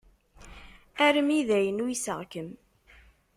Armi d ayen uyseɣ-kem.